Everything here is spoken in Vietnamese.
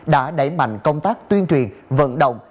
đã đẩy mạnh công tác tuyên truyền vận động